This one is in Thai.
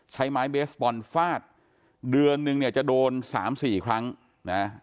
ใช้ไม้เบสบอลฟาดเดือนนึงเนี่ยจะโดนสามสี่ครั้งนะ